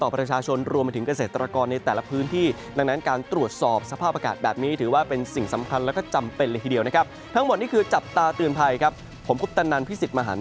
โปรดติดตามตอนต่อไป